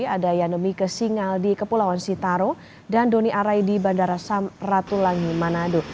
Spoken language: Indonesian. ada yanomi ke singal di kepulauan sitaro dan doni arai di bandara ratulangi manado